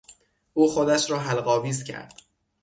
او خودش را حلق آویز کرد.